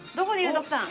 徳さん。